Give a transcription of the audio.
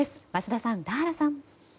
桝田さん、田原さん。